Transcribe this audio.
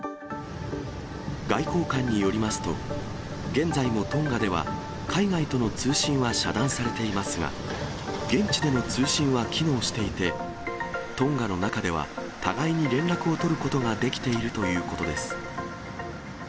外交官によりますと、現在もトンガでは、海外との通信は遮断されていますが、現地での通信は機能していて、トンガの中では、互いに連絡を取ることができているということです。